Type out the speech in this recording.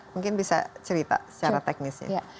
mungkin bisa cerita secara teknisnya